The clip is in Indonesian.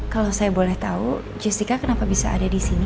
kalau saya boleh tau jessica kenapa bisa ada disini